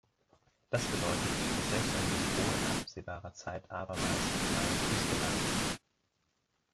Das bedeutet, dass selbst ein Dutroux in absehbarer Zeit abermals auf freien Fuß gelangt.